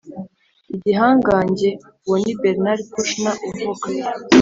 «igihangange» (uwo ni bernard kouchner uvuga)